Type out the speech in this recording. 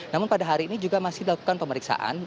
namun pada hari ini juga masih dilakukan pemeriksaan